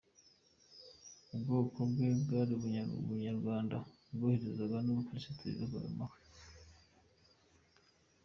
Ubwoko bwe bwari ubunyarwanda bwahoberanye n’ubukirisitu bikaba mahwi.